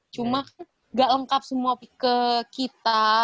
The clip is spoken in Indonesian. cuma kan gak lengkap semua ke kita